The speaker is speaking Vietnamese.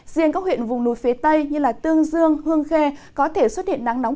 riêng các huyện vùng núi phía tây như tương dương hương khê có thể xuất hiện nắng nóng